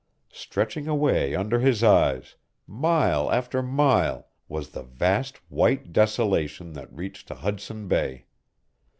Stretching away under his eyes, mile after mile, was the vast white desolation that reached to Hudson Bay.